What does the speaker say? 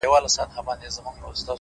نو زما نصيب دې گراني وخت د ماځيگر ووهي-